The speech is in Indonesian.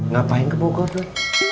ngapain ke bogor doi